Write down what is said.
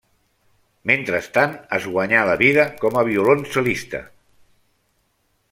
Mentrestant es guanyà la vida com a violoncel·lista.